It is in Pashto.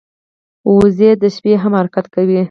وزې د شپې هم حرکت کوي